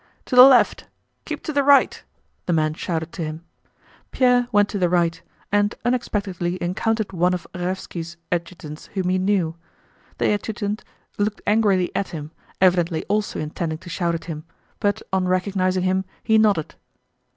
"To the left!... Keep to the right!" the men shouted to him. Pierre went to the right, and unexpectedly encountered one of Raévski's adjutants whom he knew. The adjutant looked angrily at him, evidently also intending to shout at him, but on recognizing him he nodded.